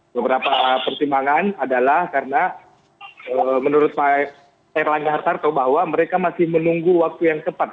beberapa pertimbangan adalah karena menurut pak erlangga hartarto bahwa mereka masih menunggu waktu yang tepat